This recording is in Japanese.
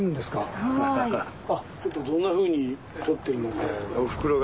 どんなふうにとってるのかを。